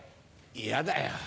嫌だよ。